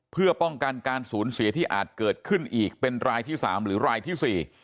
เพื่อป้องกันการสูญเสียที่อาจเกิดขึ้นอีกเป็นรายที่๓หรือรายที่๔